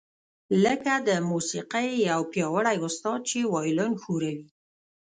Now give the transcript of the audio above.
لکه د موسیقۍ یو پیاوړی استاد چې وایلون ښوروي